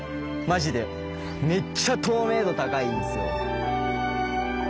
マジでめっちゃ透明度高いんですよ。